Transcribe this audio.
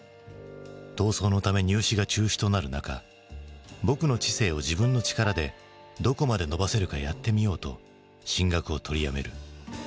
闘争のため入試が中止となる中「ぼくの知性を自分の力でどこまで伸ばせるかやってみよう」と進学をとりやめる。